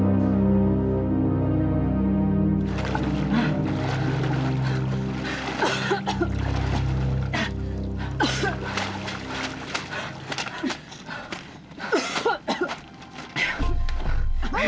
saya ingin tahu langsung dari mereka